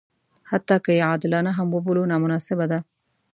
حتی که یې عادلانه هم وبولو نامناسبه ده.